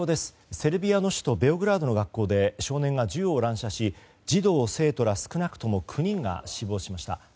セルビアの首都ベオグラードの学校で少年が銃を乱射し児童・生徒ら少なくとも９人が死亡しました。